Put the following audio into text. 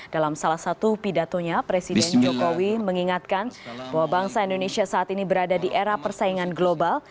dalam salah satu pidatonya presiden jokowi mengingatkan bahwa bangsa indonesia saat ini berada di era persaingan global